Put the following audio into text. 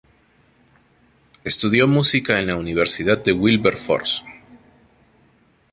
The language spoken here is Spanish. Estudió música en la Universidad de Wilberforce.